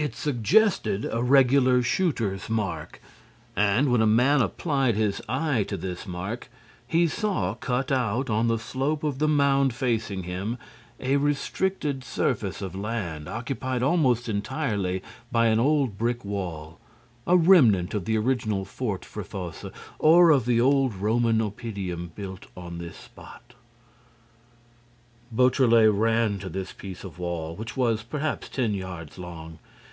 It suggested a regular shooter's mark. And, when a man applied his eye to this mark, he saw cut out, on the slope of the mound facing him, a restricted surface of land occupied almost entirely by an old brick wall, a remnant of the original Fort Fréfossé or of the old Roman oppidum built on this spot. Beautrelet ran to this piece of wall, which was, perhaps, ten yards long.